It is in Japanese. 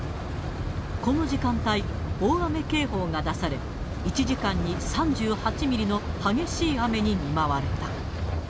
この時間帯、大雨警報が出され、１時間に３８ミリの激しい雨に見舞われた。